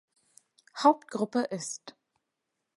Hauptgruppe ist.